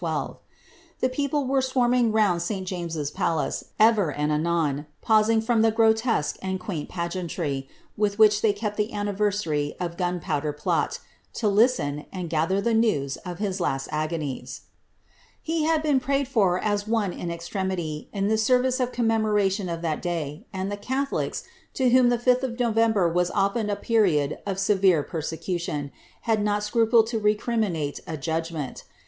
1612. The people were swarming round St. James's Palace, evi r ami anon pausing from the grotesque and quaint pai,'eanlrv, with which iIilv kept the anniversary of Gunpowder Plot, to listen, and ^ihcr the iii'u; of liis last agonies. He had been prayed fur a« one in extremitv. in itie service of conimemordtioii of that day. and liie catholics, to w'hoiii ilif 5ih of KoTember was often a period of severe persecution, had notscu plcd 10 recriminate a judgment.